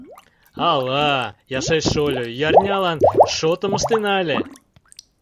Ала, Яшай шольо, ӱярнялан шотым ыштена ыле?